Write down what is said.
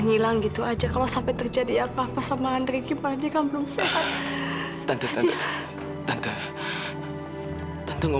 gimana kalau sekarang kamu ikut aku ke rumah yuk